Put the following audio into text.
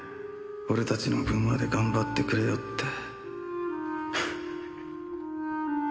俺たちの分まで頑張ってくれよって。